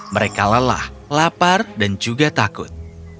mereka lelah lapar dan juga takut